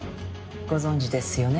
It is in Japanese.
ご存じですよね？